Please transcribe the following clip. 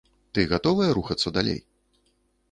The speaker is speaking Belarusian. Ты гатовая рухацца далей?